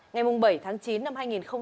ngày bảy tháng chín năm hai nghìn hai mươi ba